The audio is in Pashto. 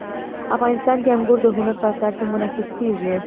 افغانستان کې انګور د هنر په اثار کې منعکس کېږي.